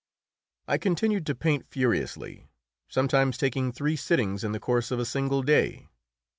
] I continued to paint furiously, sometimes taking three sittings in the course of a single day.